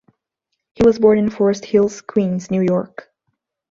He was born in Forest Hills, Queens, New York.